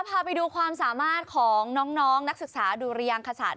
พาไปดูความสามารถของน้องนักศึกษาดุรยางคศาสต